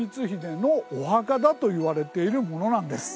だといわれているものなんです。